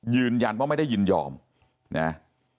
ยืนยันว่าไม่ได้ยินยอมนะ